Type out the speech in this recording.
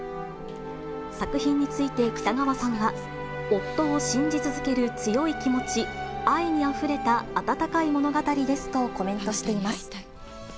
作品について北川さんは、夫を信じ続ける強い気持ち、愛にあふれた温かい物語ですと、コメントしています。